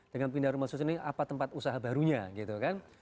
dengan pindah rumah susun ini apa tempat usaha barunya gitu kan